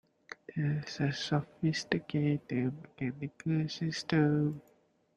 That's a sophisticated mechanical system!